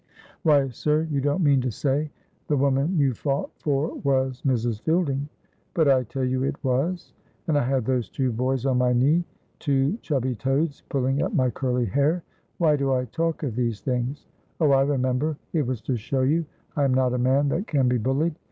"Why, sir, you don't mean to say the woman you fought for was Mrs. Fielding." "But I tell you it was, and I had those two boys on my knee, two chubby toads, pulling at my curly hair ! why do I talk of these things? Oh, I remember, it was to show you I am not a man that can be bullied.